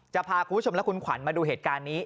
จะพาคุณผู้ชมและคุณขวัญมาดูเหตุการณ์นี้